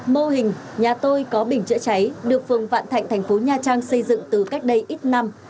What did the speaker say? mô hình nhà tôi có bình chữa cháy được phường vạn thạnh thành phố nha trang xây dựng từ cách đây ít năm